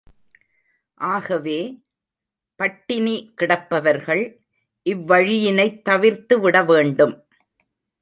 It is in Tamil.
ஆகவே, பட்டினி கிடப்பவர்கள் இவ்வழியினைத் தவிர்த்து விட வேண்டும்.